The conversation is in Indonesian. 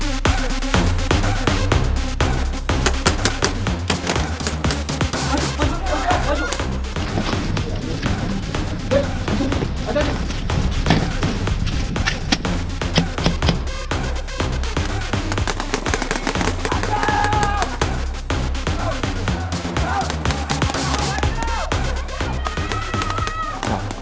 oke semangat ya ipa